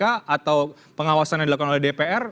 atau pengawasan yang dilakukan oleh dpr